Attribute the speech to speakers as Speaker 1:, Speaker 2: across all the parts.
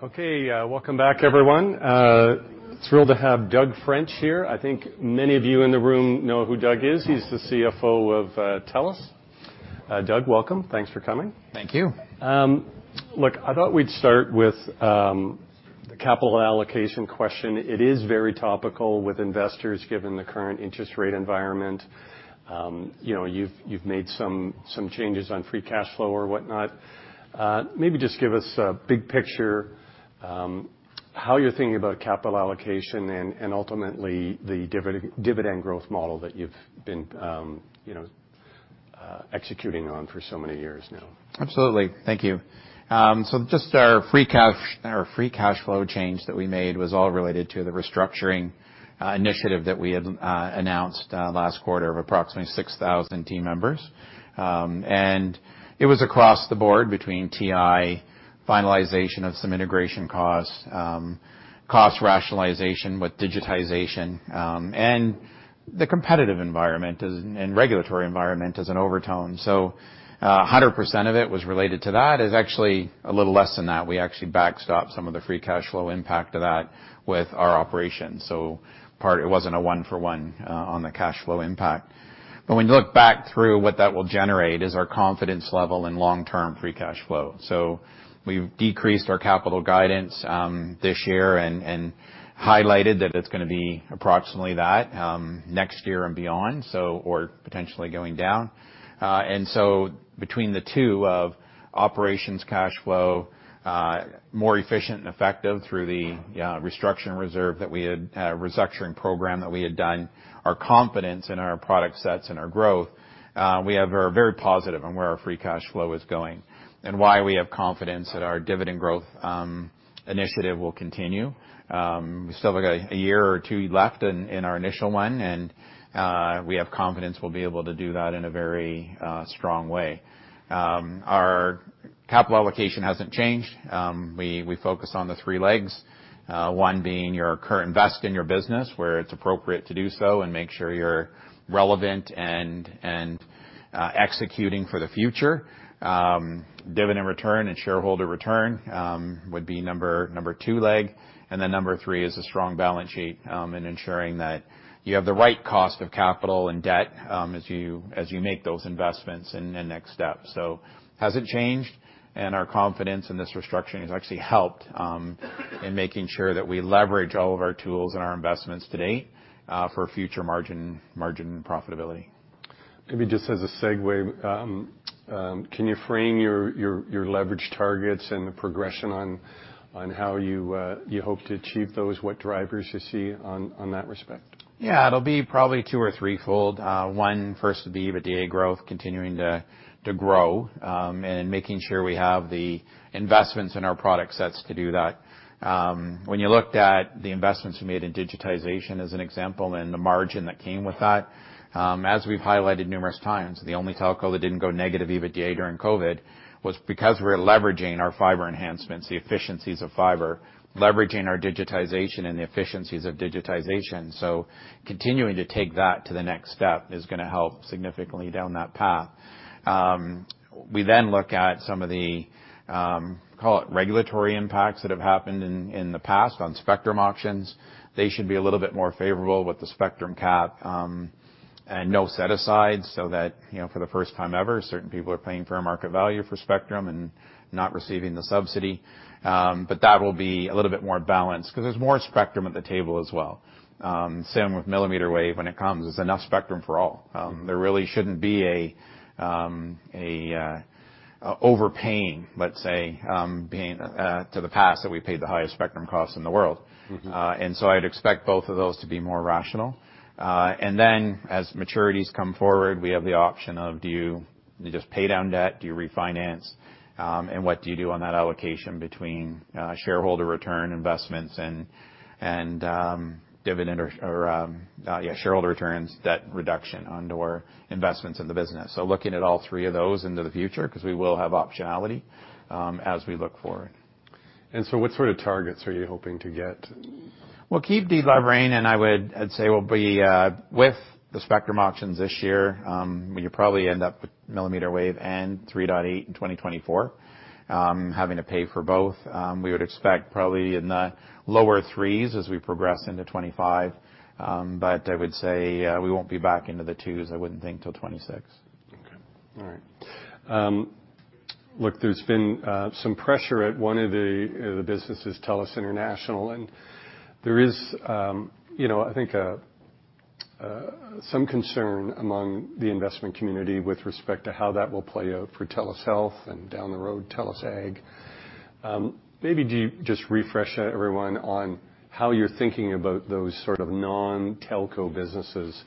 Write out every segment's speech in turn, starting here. Speaker 1: Okay, welcome back, everyone. Thrilled to have Doug French here. I think many of you in the room know who Doug is. He's the CFO of TELUS. Doug, welcome. Thanks for coming.
Speaker 2: Thank you.
Speaker 1: Look, I thought we'd start with the capital allocation question. It is very topical with investors, given the current interest rate environment. You know, you've made some changes on free cash flow or whatnot. Maybe just give us a big picture how you're thinking about capital allocation and ultimately the dividend growth model that you've been you know executing on for so many years now.
Speaker 2: Absolutely. Thank you. So just our free cash, our free cash flow change that we made was all related to the restructuring initiative that we had announced last quarter of approximately 6,000 team members. And it was across the board between TI, finalization of some integration costs, cost rationalization with digitization, and the competitive environment and regulatory environment as an overtone. So, 100% of it was related to that. It's actually a little less than that. We actually backstopped some of the free cash flow impact of that with our operations, so part, it wasn't a one-for-one on the cash flow impact. But when you look back through, what that will generate is our confidence level in long-term free cash flow. So we've decreased our capital guidance this year and highlighted that it's gonna be approximately that next year and beyond, so or potentially going down. And so between the two of operations cash flow, more efficient and effective through the restructuring reserve that we had, restructuring program that we had done, our confidence in our product sets and our growth, we are very positive on where our free cash flow is going and why we have confidence that our dividend growth initiative will continue. We still have a year or two left in our initial one, and we have confidence we'll be able to do that in a very strong way. Our capital allocation hasn't changed. We focus on the three legs, one being your current invest in your business, where it's appropriate to do so and make sure you're relevant and executing for the future. Dividend return and shareholder return would be number two leg, and then number three is a strong balance sheet in ensuring that you have the right cost of capital and debt as you make those investments in the next step. So hasn't changed, and our confidence in this restructuring has actually helped in making sure that we leverage all of our tools and our investments to date for future margin profitability.
Speaker 1: Maybe just as a segue, can you frame your leverage targets and the progression on how you hope to achieve those? What drivers you see on that respect?
Speaker 2: Yeah. It'll be probably two or threefold. One, first would be EBITDA growth continuing to grow, and making sure we have the investments in our product sets to do that. When you looked at the investments we made in digitization, as an example, and the margin that came with that, as we've highlighted numerous times, the only telco that didn't go negative EBITDA during COVID was because we were leveraging our fibre enhancements, the efficiencies of fibre, leveraging our digitization and the efficiencies of digitization. So continuing to take that to the next step is gonna help significantly down that path. We then look at some of the, call it regulatory impacts that have happened in the past on spectrum auctions. They should be a little bit more favorable with the spectrum cap, and no set-aside, so that, you know, for the first time ever, certain people are paying fair market value for spectrum and not receiving the subsidy. But that will be a little bit more balanced because there's more spectrum at the table as well. Same with millimeter wave. When it comes, there's enough spectrum for all. There really shouldn't be overpaying, let's say, paying to the past, that we paid the highest spectrum costs in the world.
Speaker 1: Mm-hmm.
Speaker 2: And so I'd expect both of those to be more rational. And then, as maturities come forward, we have the option of do you just pay down debt? Do you refinance? And what do you do on that allocation between, shareholder return investments and, and, dividend or, yeah, shareholder returns, debt reduction on/or investments in the business? So looking at all three of those into the future, 'cause we will have optionality, as we look forward.
Speaker 1: What sort of targets are you hoping to get?
Speaker 2: We'll keep delivering, and I would, I'd say we'll be with the spectrum auctions this year, we probably end up with millimeter wave and 3.8 GHz in 2024. Having to pay for both, we would expect probably in the lower 3s GHz as we progress into 2025, but I would say, we won't be back into the 2s GHz, I wouldn't think, till 2026.
Speaker 1: Okay. All right. Look, there's been some pressure at one of the businesses, TELUS International, and there is, you know, I think, some concern among the investment community with respect to how that will play out for TELUS Health, and down the road, TELUS Ag. Maybe do you... Just refresh everyone on how you're thinking about those sort of non-telco businesses,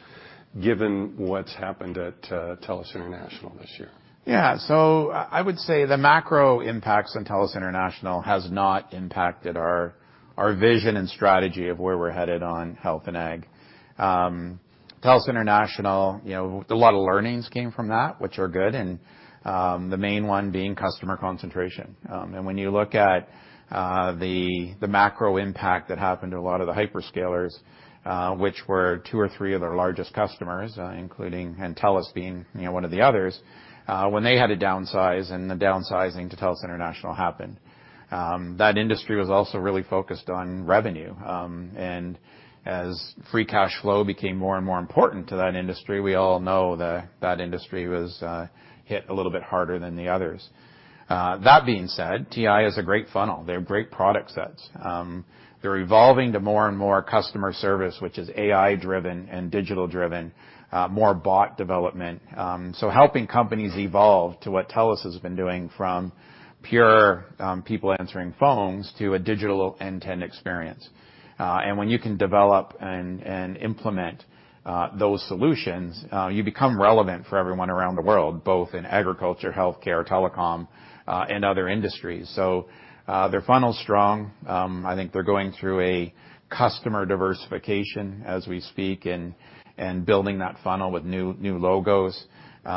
Speaker 1: given what's happened at TELUS International this year.
Speaker 2: Yeah. So I would say the macro impacts on TELUS International has not impacted our vision and strategy of where we're headed on Health and Ag. TELUS International, you know, a lot of learnings came from that, which are good, and the main one being customer concentration. And when you look at the macro impact that happened to a lot of the hyperscalers, which were two or three of their largest customers, including, and TELUS being, you know, one of the others. When they had to downsize and the downsizing to TELUS International happened, that industry was also really focused on revenue. And as free cash flow became more and more important to that industry, we all know that that industry was hit a little bit harder than the others. That being said, TI is a great funnel. They're great product sets. They're evolving to more and more customer service, which is AI-driven and digital-driven, more bot development. So helping companies evolve to what TELUS has been doing from pure, people answering phones to a digital end-to-end experience. And when you can develop and, and implement, those solutions, you become relevant for everyone around the world, both in agriculture, healthcare, telecom, and other industries. So, their funnel's strong. I think they're going through a customer diversification as we speak and, and building that funnel with new, new logos. They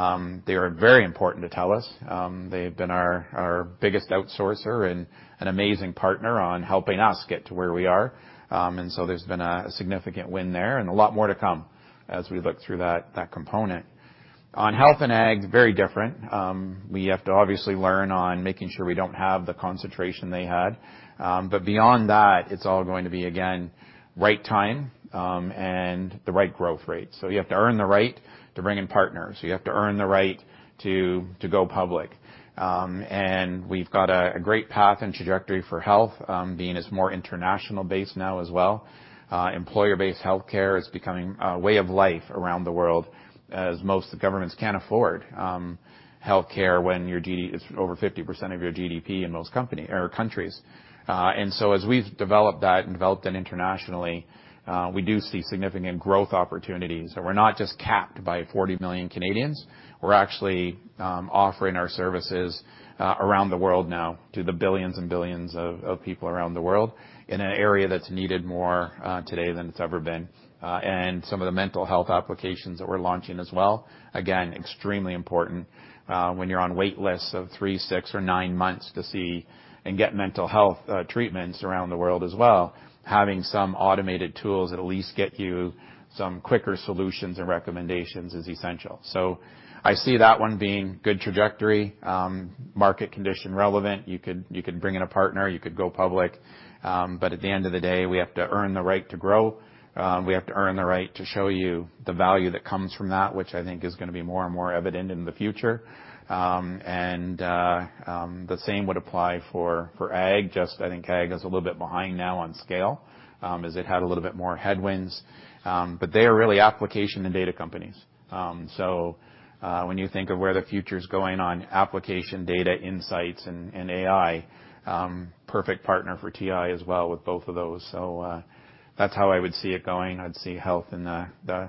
Speaker 2: are very important to TELUS. They've been our, our biggest outsourcer and an amazing partner on helping us get to where we are. And so there's been a significant win there and a lot more to come as we look through that component. On Health and Ag, very different. We have to obviously learn on making sure we don't have the concentration they had. But beyond that, it's all going to be, again, right time, and the right growth rate. So you have to earn the right to bring in partners. You have to earn the right to go public. And we've got a great path and trajectory for health, being it's more international based now as well. Employer-based healthcare is becoming a way of life around the world, as most governments can't afford healthcare when your GDP it's over 50% of your GDP in most company or countries. And so as we've developed that and developed it internationally, we do see significant growth opportunities. So we're not just capped by 40 million Canadians. We're actually offering our services around the world now to the billions and billions of people around the world, in an area that's needed more today than it's ever been. And some of the mental health applications that we're launching as well, again, extremely important. When you're on wait lists of three, six or nine months to see and get mental health treatments around the world as well, having some automated tools that at least get you some quicker solutions and recommendations is essential. So I see that one being good trajectory, market condition relevant. You could, you could bring in a partner, you could go public, but at the end of the day, we have to earn the right to grow. We have to earn the right to show you the value that comes from that, which I think is gonna be more and more evident in the future. And the same would apply for Ag. Just I think Ag is a little bit behind now on scale, as it had a little bit more headwinds, but they are really application and data companies. So when you think of where the future's going on application, data, insights and AI, perfect partner for TI as well with both of those. So that's how I would see it going. I'd see health in the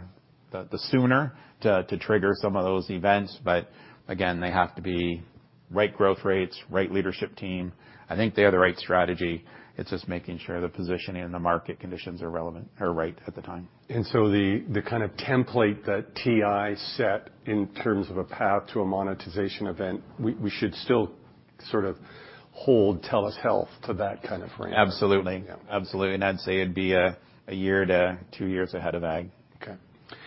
Speaker 2: sooner to trigger some of those events, but again, they have to be right growth rates, right leadership team. I think they have the right strategy. It's just making sure the positioning and the market conditions are relevant or right at the time.
Speaker 1: And so the kind of template that TI set in terms of a path to a monetization event, we should still sort of hold TELUS Health to that kind of frame?
Speaker 2: Absolutely.
Speaker 1: Yeah.
Speaker 2: Absolutely, and I'd say it'd be a year to two years ahead of Ag.
Speaker 1: Okay.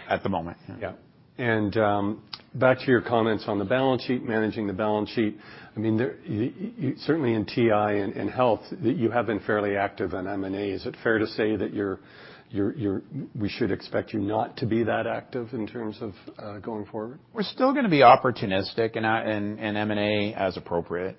Speaker 2: At the moment.
Speaker 1: Yeah. Back to your comments on the balance sheet, managing the balance sheet. I mean, certainly in TI and in Health, you have been fairly active in M&A. Is it fair to say that you're... We should expect you not to be that active in terms of, going forward?
Speaker 2: We're still gonna be opportunistic in our M&A as appropriate.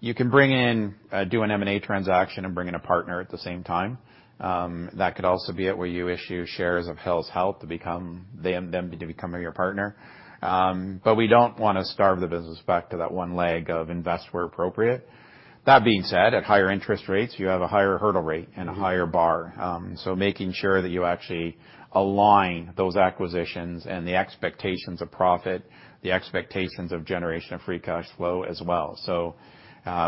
Speaker 2: You can bring in, do an M&A transaction and bring in a partner at the same time. That could also be it, where you issue shares of TELUS Health to become them to becoming your partner. But we don't want to starve the business back to that one leg of invest where appropriate. That being said, at higher interest rates, you have a higher hurdle rate and a higher bar. So making sure that you actually align those acquisitions and the expectations of profit, the expectations of generation of free cash flow as well. So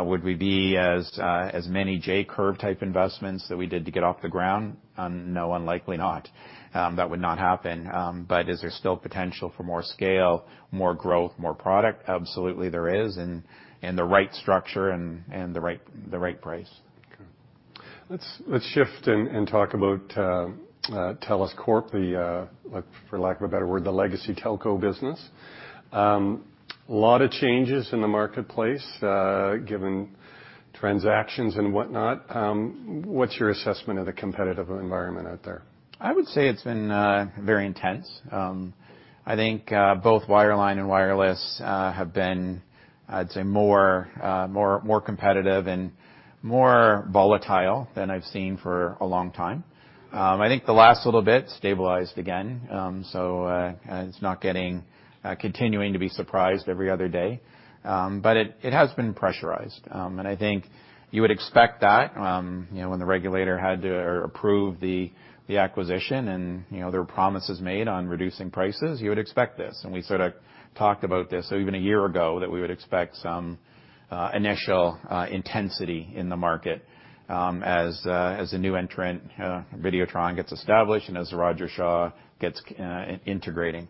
Speaker 2: would we be as many J-curve type investments that we did to get off the ground? No, unlikely not. That would not happen. But is there still potential for more scale, more growth, more product? Absolutely, there is, and the right structure and the right price.
Speaker 1: Okay. Let's shift and talk about TELUS Corp, the, for lack of a better word, the legacy telco business. A lot of changes in the marketplace, given transactions and whatnot, what's your assessment of the competitive environment out there?
Speaker 2: I would say it's been very intense. I think both wireline and wireless have been, I'd say, more competitive and more volatile than I've seen for a long time. I think the last little bit stabilized again. So, it's not getting continuing to be surprised every other day. But it has been pressurized. And I think you would expect that, you know, when the regulator had to approve the acquisition, and, you know, there were promises made on reducing prices, you would expect this. And we sort of talked about this even a year ago, that we would expect some initial intensity in the market, as a new entrant, Videotron gets established and as Rogers-Shaw gets integrating.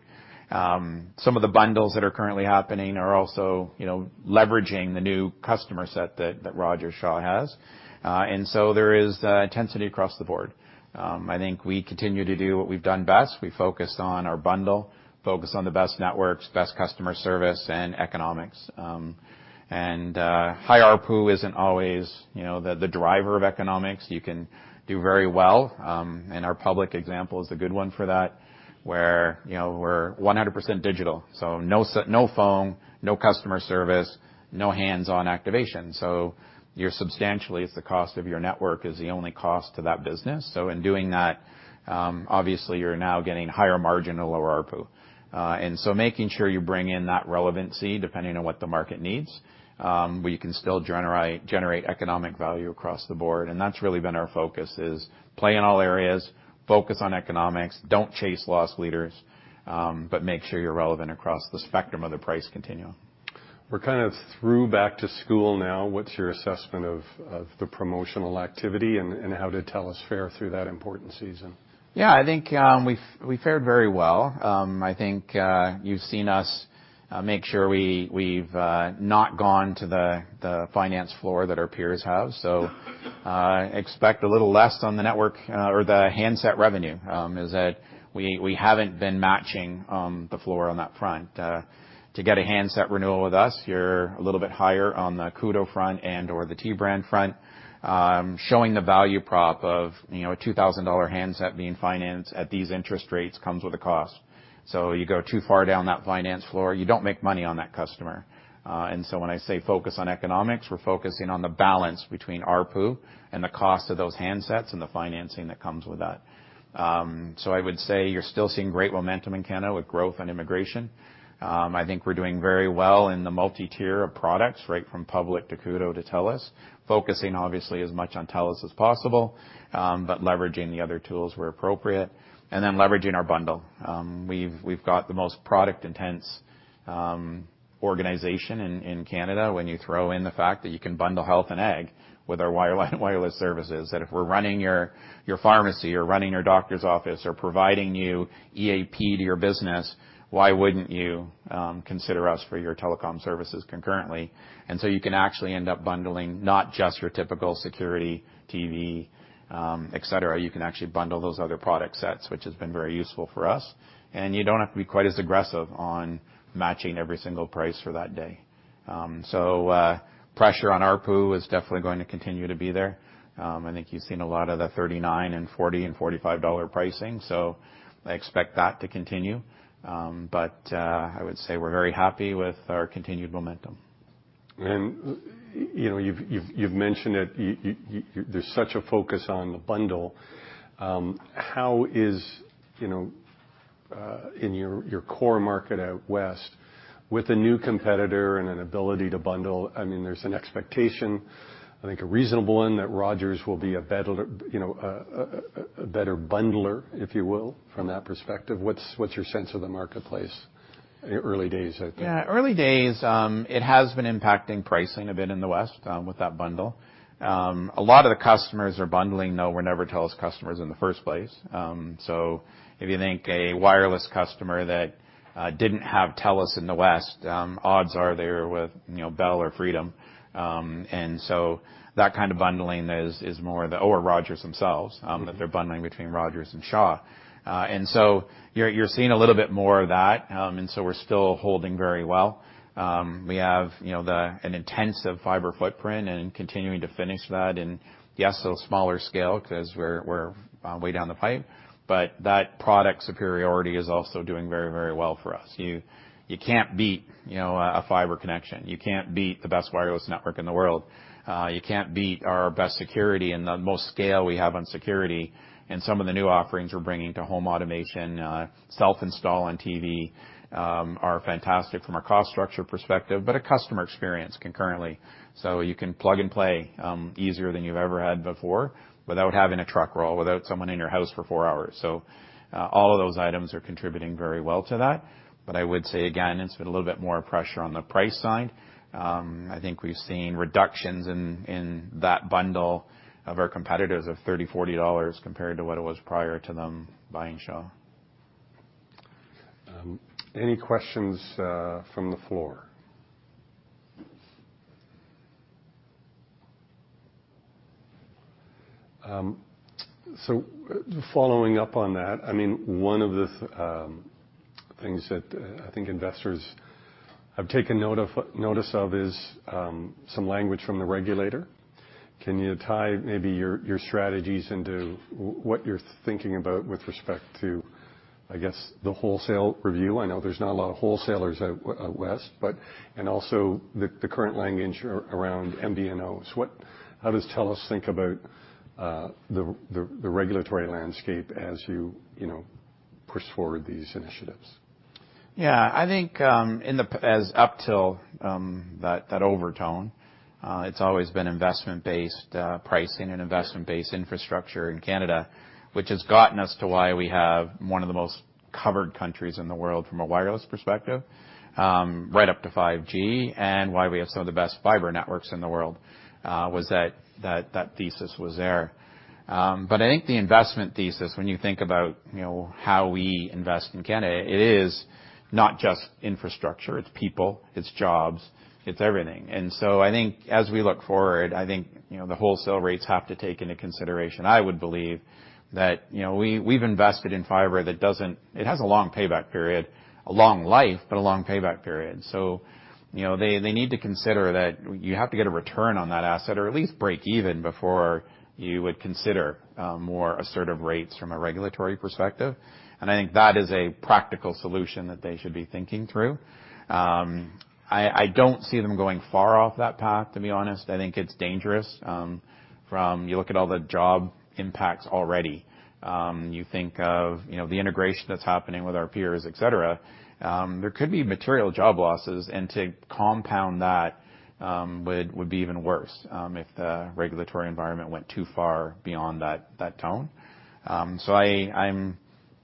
Speaker 2: Some of the bundles that are currently happening are also, you know, leveraging the new customer set that Rogers-Shaw has. And so there is intensity across the board. I think we continue to do what we've done best. We focused on our bundle, focused on the best networks, best customer service and economics. And high ARPU isn't always, you know, the driver of economics. You can do very well, and our Public example is a good one for that, where, you know, we're 100% digital, so no phone, no customer service, no hands-on activation. So you're substantially, it's the cost of your network is the only cost to that business. So in doing that, obviously, you're now getting higher margin and lower ARPU. Making sure you bring in that relevancy depending on what the market needs, where you can still generate economic value across the board. That's really been our focus, is play in all areas, focus on economics, don't chase loss leaders, but make sure you're relevant across the spectrum of the price continuum.
Speaker 1: We're kind of through back to school now. What's your assessment of the promotional activity, and how did TELUS fare through that important season?
Speaker 2: Yeah, I think we fared very well. I think you've seen us make sure we haven't gone to the finance floor that our peers have. So expect a little less on the network or the handset revenue, is that we haven't been matching the floor on that front. To get a handset renewal with us, you're a little bit higher on the Koodo front and or the T Brand front. Showing the value prop of, you know, a 2,000 dollar handset being financed at these interest rates comes with a cost. So you go too far down that finance floor, you don't make money on that customer. And so when I say focus on economics, we're focusing on the balance between ARPU and the cost of those handsets and the financing that comes with that. So I would say you're still seeing great momentum in Canada with growth and immigration. I think we're doing very well in the multi-tier of products, right from Public to Koodo to TELUS, focusing obviously as much on TELUS as possible, but leveraging the other tools where appropriate and then leveraging our bundle. We've got the most product-intense organization in Canada. When you throw in the fact that you can bundle Health and Ag with our wireline and wireless services, that if we're running your pharmacy or running your doctor's office, or providing you EAP to your business, why wouldn't you consider us for your telecom services concurrently? So you can actually end up bundling not just your typical security, TV, et cetera. You can actually bundle those other product sets, which has been very useful for us, and you don't have to be quite as aggressive on matching every single price for that day. Pressure on ARPU is definitely going to continue to be there. I think you've seen a lot of the 39, 40, and 45 dollar pricing, so I expect that to continue. But I would say we're very happy with our continued momentum.
Speaker 1: You know, you've mentioned it. You – there's such a focus on the bundle. How is, you know, in your core market out west with a new competitor and an ability to bundle? I mean, there's an expectation, I think, a reasonable one, that Rogers will be a better, you know, a better bundler, if you will, from that perspective. What's your sense of the marketplace early days out there?
Speaker 2: Yeah, early days, it has been impacting pricing a bit in the West, with that bundle. A lot of the customers are bundling, though, were never TELUS customers in the first place. So if you think a wireless customer that didn't have TELUS in the West, odds are they're with, you know, Bell or Freedom. And so that kind of bundling is more the... Or Rogers themselves, that they're bundling between Rogers and Shaw. And so you're seeing a little bit more of that. And so we're still holding very well. We have, you know, an intensive fibre footprint and continuing to finish that and yes, so smaller scale, 'cause we're way down the pipe, but that product superiority is also doing very, very well for us. You can't beat, you know, a fibre connection. You can't beat the best wireless network in the world. You can't beat our best security and the most scale we have on security. And some of the new offerings we're bringing to home automation, self-install on TV, are fantastic from a cost structure perspective, but a customer experience concurrently. So you can plug and play, easier than you've ever had before, without having a truck roll, without someone in your house for four hours. So, all of those items are contributing very well to that. But I would say again, it's been a little bit more pressure on the price side. I think we've seen reductions in that bundle of our competitors of 30-40 dollars compared to what it was prior to them buying Shaw.
Speaker 1: Any questions from the floor? So following up on that, I mean, one of the things that I think investors have taken note of, notice of is some language from the regulator. Can you tie maybe your strategies into what you're thinking about with respect to, I guess, the wholesale review? I know there's not a lot of wholesalers out west, but and also the current language around MNOs. How does TELUS think about the regulatory landscape as you, you know, push forward these initiatives?
Speaker 2: Yeah, I think, in the past as up till that overtone, it's always been investment-based pricing and investment-based infrastructure in Canada, which has gotten us to why we have one of the most covered countries in the world from a wireless perspective, right up to 5G, and why we have some of the best fibre networks in the world. That thesis was there. But I think the investment thesis, when you think about, you know, how we invest in Canada, it is not just infrastructure, it's people, it's jobs, it's everything. And so I think as we look forward, I think, you know, the wholesale rates have to take into consideration, I would believe, that, you know, we, we've invested in fibre that doesn't... It has a long payback period, a long life, but a long payback period. So, you know, they need to consider that you have to get a return on that asset, or at least break even before you would consider more assertive rates from a regulatory perspective. I think that is a practical solution that they should be thinking through. I don't see them going far off that path, to be honest. I think it's dangerous. You look at all the job impacts already, you think of, you know, the integration that's happening with our peers, et cetera, there could be material job losses, and to compound that would be even worse if the regulatory environment went too far beyond that tone. I'm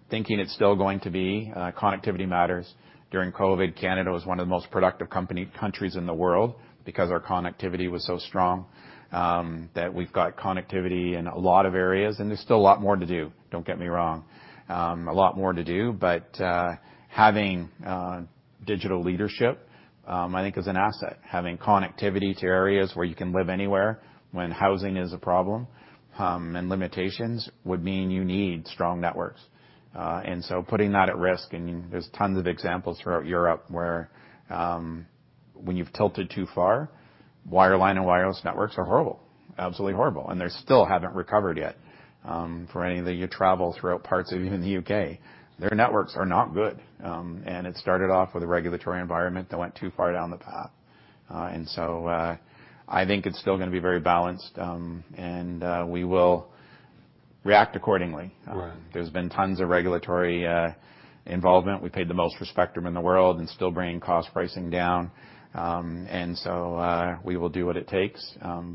Speaker 2: thinking it's still going to be connectivity matters. During COVID, Canada was one of the most productive countries in the world because our connectivity was so strong, that we've got connectivity in a lot of areas, and there's still a lot more to do, don't get me wrong. A lot more to do. But, having digital leadership, I think is an asset. Having connectivity to areas where you can live anywhere, when housing is a problem, and limitations, would mean you need strong networks. And so putting that at risk, and there's tons of examples throughout Europe where, when you've tilted too far, wireline and wireless networks are horrible, absolutely horrible, and they still haven't recovered yet. For any of you that you travel throughout parts of even the U.K., their networks are not good. And it started off with a regulatory environment that went too far down the path. And so, I think it's still gonna be very balanced, and we will react accordingly.
Speaker 1: Right.
Speaker 2: There's been tons of regulatory involvement. We paid the most for spectrum in the world and still bringing cost pricing down. And so, we will do what it takes,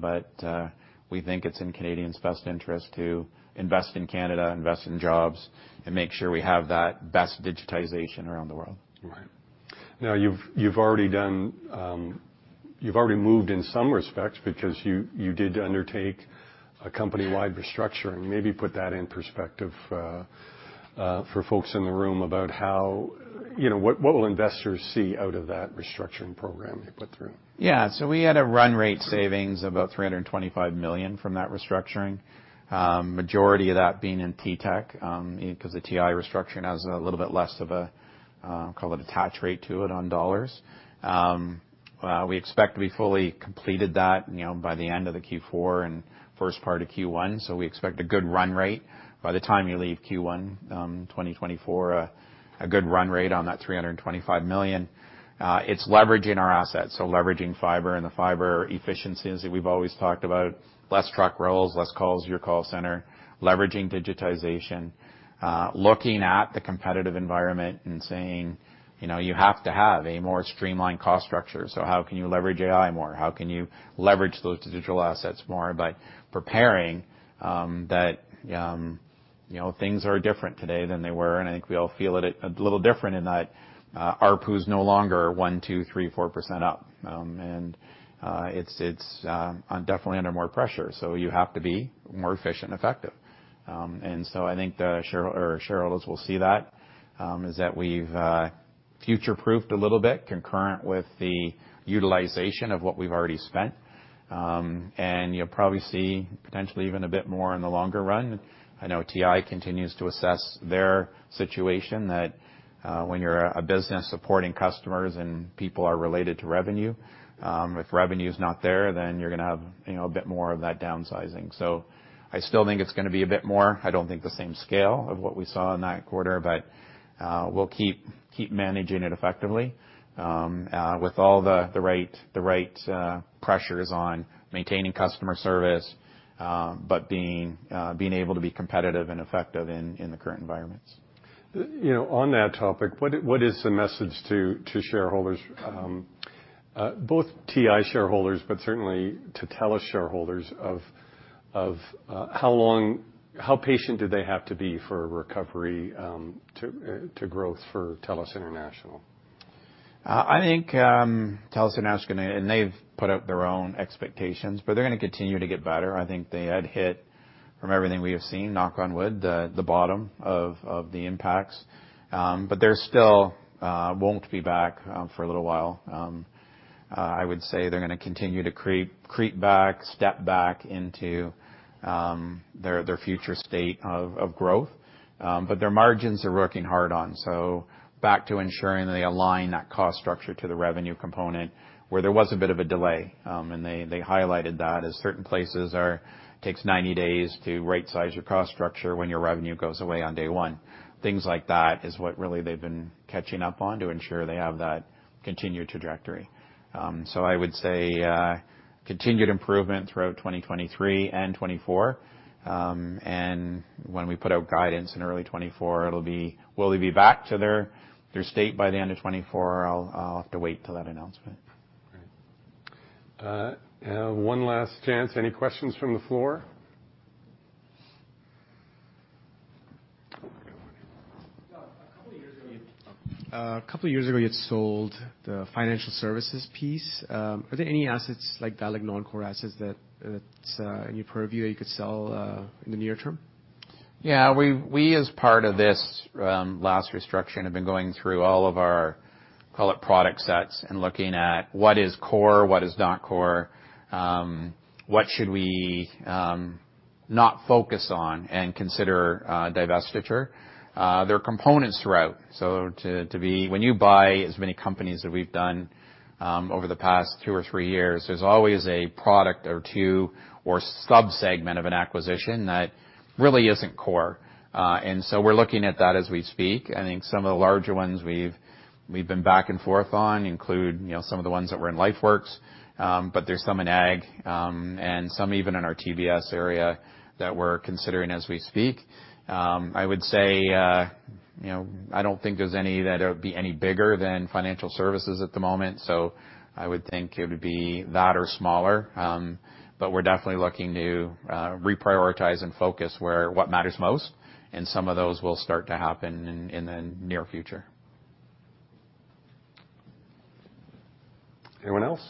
Speaker 2: but, we think it's in Canadians' best interest to invest in Canada, invest in jobs, and make sure we have that best digitization around the world.
Speaker 1: Right. Now, you've already moved in some respects because you did undertake a company-wide restructuring. Maybe put that in perspective for folks in the room about how, you know, what will investors see out of that restructuring program you put through?
Speaker 2: Yeah. So we had a run rate savings of about 325 million from that restructuring. Majority of that being in TTech, because the TI restructuring has a little bit less of a, call it attach rate to it on dollars. We expect that to be fully completed, you know, by the end of the Q4 and first part of Q1, so we expect a good run rate. By the time you leave Q1, 2024, a good run rate on that 325 million. It's leveraging our assets, so leveraging fibre and the fibre efficiencies that we've always talked about, less truck rolls, less calls to your call center, leveraging digitization. Looking at the competitive environment and saying, you know, you have to have a more streamlined cost structure. So how can you leverage AI more? How can you leverage those digital assets more by preparing, that, you know, things are different today than they were, and I think we all feel it a little different in that, ARPU's no longer 1%-4% up. It's definitely under more pressure, so you have to be more efficient and effective. And so I think the shareholders will see that, that we've future-proofed a little bit concurrent with the utilization of what we've already spent. And you'll probably see potentially even a bit more in the longer run. I know TI continues to assess their situation, that, when you're a business supporting customers and people are related to revenue, if revenue is not there, then you're gonna have, you know, a bit more of that downsizing. I still think it's gonna be a bit more. I don't think the same scale of what we saw in that quarter, but we'll keep managing it effectively, with all the right pressures on maintaining customer service, but being able to be competitive and effective in the current environments.
Speaker 1: You know, on that topic, what is the message to shareholders, both TI shareholders, but certainly to TELUS shareholders, of how long-how patient do they have to be for a recovery to growth for TELUS International? ...
Speaker 2: I think, TELUS International, and they've put out their own expectations, but they're gonna continue to get better. I think they had hit, from everything we have seen, knock on wood, the bottom of the impacts. But they still won't be back for a little while. I would say they're gonna continue to creep back into their future state of growth. But they're working hard on margins, so back to ensuring they align that cost structure to the revenue component, where there was a bit of a delay. And they highlighted that it takes 90 days to rightsize your cost structure when your revenue goes away on day one. Things like that is what really they've been catching up on to ensure they have that continued trajectory. So I would say continued improvement throughout 2023 and 2024. And when we put out guidance in early 2024, it'll be—will they be back to their state by the end of 2024? I'll have to wait till that announcement.
Speaker 1: Great. One last chance. Any questions from the floor?
Speaker 3: Doug, a couple of years ago, you had sold the financial services piece. Are there any assets like that, like non-core assets, that that's in your purview that you could sell in the near term?
Speaker 2: Yeah, we as part of this last restructure have been going through all of our, call it, product sets and looking at what is core, what is not core, what should we not focus on and consider divestiture? There are components throughout, so to be—When you buy as many companies as we've done over the past two or three years, there's always a product or two or subsegment of an acquisition that really isn't core. And so we're looking at that as we speak. I think some of the larger ones we've been back and forth on include, you know, some of the ones that were in LifeWorks, but there's some in Ag, and some even in our TBS area that we're considering as we speak. I would say, you know, I don't think there's any that would be any bigger than financial services at the moment, so I would think it would be that or smaller. But we're definitely looking to reprioritize and focus where what matters most, and some of those will start to happen in the near future.
Speaker 1: Anyone else?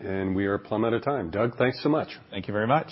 Speaker 1: We are plumb out of time. Doug, thanks so much.
Speaker 2: Thank you very much.